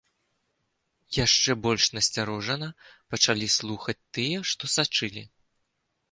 Яшчэ больш насцярожана пачалі слухаць тыя, што сачылі.